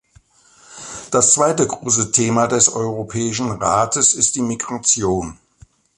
Das zweite große Thema des Europäischen Rates ist die Migration.